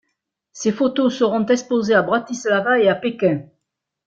Ces photos seront exposées à Bratislava et à Pékin.